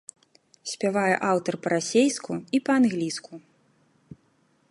Спявае аўтар па-расейску і па-англійску.